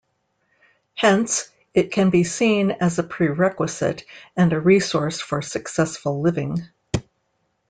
Hence, it can be seen as a prerequisite and a resource for successful living.